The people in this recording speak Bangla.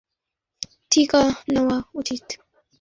মনে হয় আমার কিছু টিকা নেওয়া উচিত?